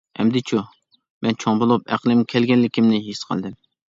ئەمدىچۇ، مەن چوڭ بولۇپ ئەقلىمگە كەلگەنلىكىمنى ھېس قىلدىم.